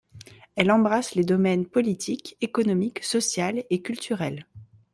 Elle embrasse les domaines politique, économique, social et culturel.